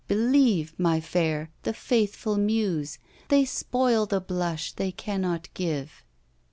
Believe, my fair! the faithful muse, They spoil the blush they cannot give.